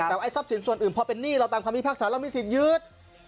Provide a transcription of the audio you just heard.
แต่ไอ้ทรัพย์สินส่วนอื่นพอเป็นหนี้เราตามความมีภาคศาสตร์เราไม่สินยืด